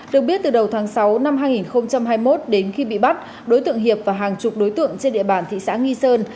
được biết từ đầu tháng sáu năm hai nghìn hai mươi một đến khi bị bắt đối tượng hiệp và hàng chục đối tượng trên địa bàn thị xã nghi sơn